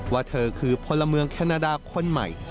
ว่าเธอคือพลเมืองแคนาดาคนใหม่